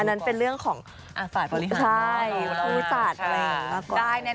นั่นเป็นเรื่องของฝ่ายบริการผู้จัดอะไรอย่างนี้